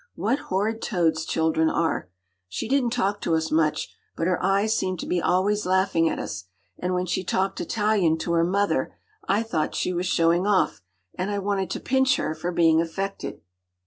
What horrid toads children are! She didn’t talk to us much, but her eyes seemed to be always laughing at us, and when she talked Italian to her mother, I thought she was showing off, and I wanted to pinch her for being affected.